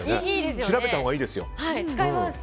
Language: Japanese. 調べたほうがいいですよ。